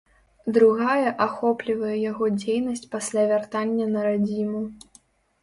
Другая ахоплівае яго дзейнасць пасля вяртання на радзіму.